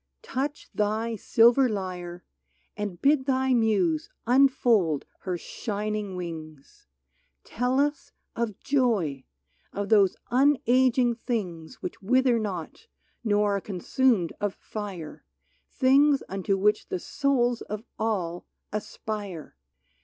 Touch thy silver lyre And bid thy Muse unfold her shining wings ! Tell us of joy — of those unaging things Which wither not, nor are consumed of fire, Things unto which the souls of all aspire